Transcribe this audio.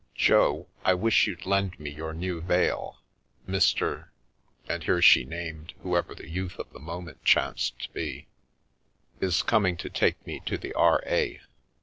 Jo, I wish you'd lend me your new veil — Mr. " and here she named, whoever the youth of the moment chanced to be —" is coming to take me to the R.A."